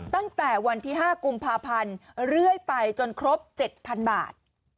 ตั้งแต่วันที่๕กุมภาพันธ์เรื่อยไปจนครบ๗๐๐บาท